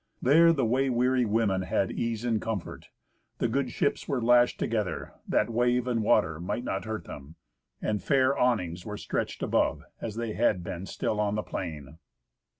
There the way weary women had ease and comfort. The good ships were lashed together, that wave and water might not hurt them, and fair awnings were stretched above, as they had been still on the plain.